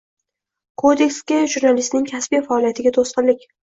Kodeksga jurnalistning kasbiy faoliyatiga to‘sqinlik